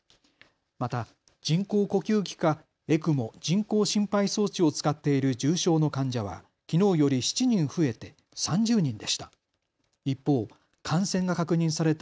また人工呼吸器かＥＣＭＯ・人工心肺装置を使っている重症の患者はきのうより７人増えて３０人でした。